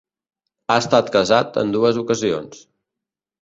Ha estat casat en dues ocasions.